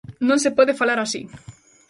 Non se pode falar así.